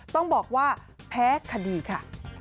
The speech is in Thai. ต้องบอกว่าแพ้คดีค่ะ